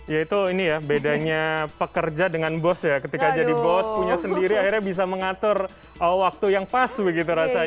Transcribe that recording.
ya itu ini ya bedanya pekerja dengan bos ya ketika jadi bos punya sendiri akhirnya bisa mengatur waktu yang pas begitu rasanya